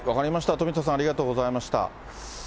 富田さん、ありがとうございました。